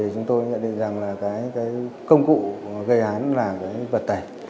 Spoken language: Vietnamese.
chúng tôi nhận định rằng là cái công cụ gây án là cái vật tẩy